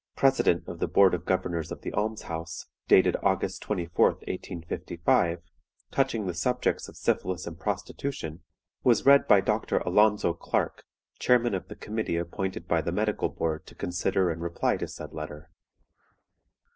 President of the Board of Governors of the Alms house, dated August 24, 1855, touching the subjects of syphilis and prostitution, was read by Doctor Alonzo Clark, Chairman of the Committee appointed by the Medical Board to consider and reply to said letter.